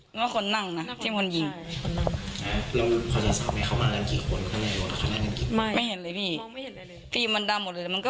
นั่นคือคนนั่งที่มีคนยิง